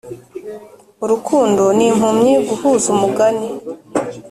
urukundo ni impumyi guhuza umugani